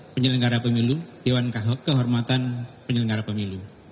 penyelenggara pemilu dewan kehormatan penyelenggara pemilu